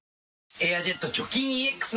「エアジェット除菌ＥＸ」